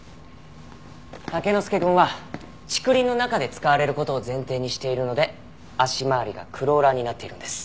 タケノスケくんは竹林の中で使われる事を前提にしているので足回りがクローラーになっているんです。